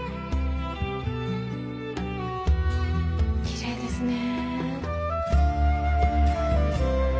きれいですね。